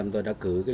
một hộ hộ là vào sân